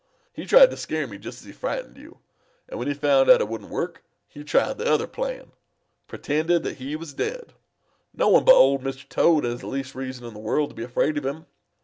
He tried to scare me just as he frightened you, and when he found it wouldn't work, he tried the other plan pretended that he was dead. No one but Old Mr. Toad has the least reason in the world to be afraid of him.